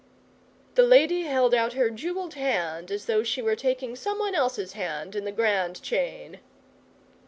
The lady held out her jewelled hand as though she were taking some one else's hand in the Grand Chain.